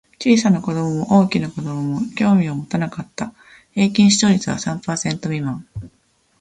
小さな子供も大きな子供も興味を持たなかった。平均視聴率は三パーセント未満。